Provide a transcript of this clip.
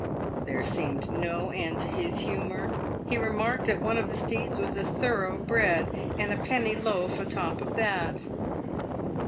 There seemed no end to his humour. He remarked that one of the steeds was a thorough bred and a penny loaf a top of that.